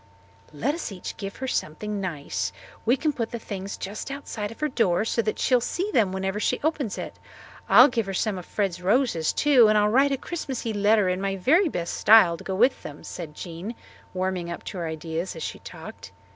"Let us each give her something nice. We can put the things just outside of her door so that she will see them whenever she opens it. I'll give her some of Fred's roses too, and I'll write a Christmassy letter in my very best style to go with them," said Jean, warming up to her ideas as she talked.